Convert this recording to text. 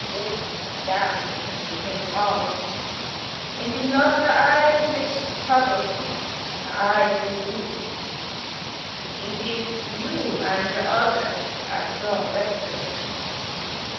Goot Madam, you think wrong! It is not her eyes which troubles me. Her eyes will do. It is You and the odders at your rectory place.